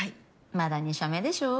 まだ２社目でしょ？